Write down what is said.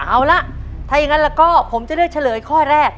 เอาล่ะถ้าอย่างนั้นแล้วก็ผมจะเลือกเฉลยข้อแรก